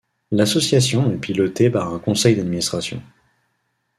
L’association est pilotée par un conseil d’administration.